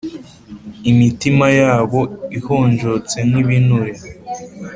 imitima yabo ihonjotse nk ibinure